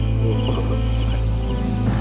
eh kebalik kebalik